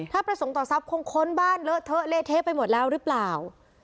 ถ้าประสงค์ต่อทรัพย์คงค้นบ้านเลอะเทอะเละเทะไปหมดแล้วหรือเปล่า